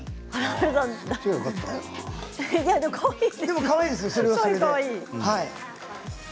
それも、かわいいですね。